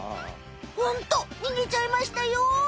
ホントにげちゃいましたよ！